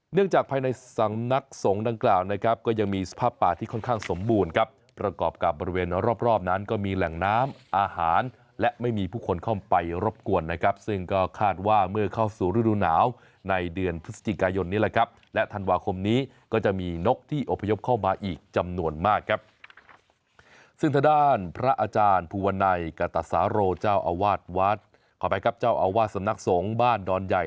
เนื่องจากภายในสำนักสงฆ์ดังกล่าวนะครับก็ยังมีสภาพป่าที่ค่อนข้างสมบูรณ์ครับประกอบกับบริเวณรอบนั้นก็มีแหล่งน้ำอาหารและไม่มีผู้คนเข้าไปรบกวนนะครับซึ่งก็คาดว่าเมื่อเข้าสู่ฤดูหนาวในเดือนพฤศจิกายนนี่แหละครับและธันวาคมนี้ก็จะมีนกที่อพยพเข้ามาอีกจำนวน